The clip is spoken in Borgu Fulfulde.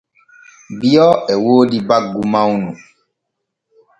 Bio e woodi baggu mawnu.